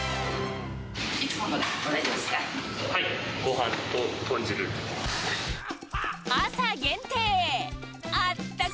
いつものでいいですか。